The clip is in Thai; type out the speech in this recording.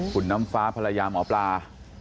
คุณน้ำฟ้าพยายามออกลา